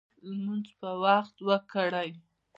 لمونځ په وخت وکړئ